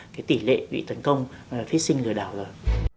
cái tỉ lệ bị tấn công phí sinh lừa đảo rồi